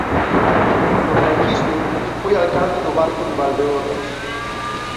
No franquismo foi alcalde do Barco de Valdeorras.